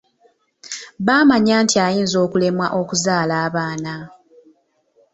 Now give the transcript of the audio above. Bamanya nti ayinza okulemwa okuzaala abaana.